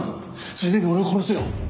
ついでに俺を殺せよ。